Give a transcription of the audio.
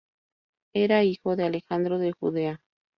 Era hijo de Alejandro de Judea.